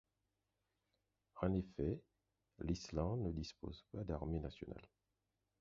En effet, l'Islande ne dispose pas d'armée nationale.